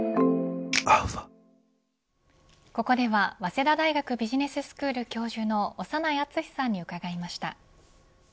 ここでは早稲田大学ビジネススクール教授の長内厚さんに伺いました。